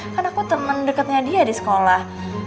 kan aku temen deketnya dia di sekolah